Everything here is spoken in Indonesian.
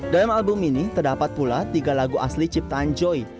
dalam album ini terdapat pula tiga lagu asli ciptaan joy